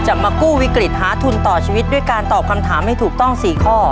มากู้วิกฤตหาทุนต่อชีวิตด้วยการตอบคำถามให้ถูกต้อง๔ข้อ